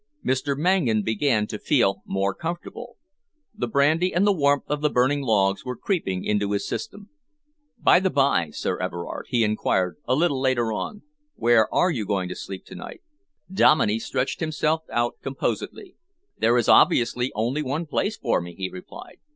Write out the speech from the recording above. Mr. Mangan began to feel more comfortable. The brandy and the warmth of the burning logs were creeping into his system. "By the by, Sir Everard," he enquired, a little later on, "where are you going to sleep to night?" Dominey stretched himself out composedly. "There is obviously only one place for me," he replied.